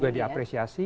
itu juga diapresiasi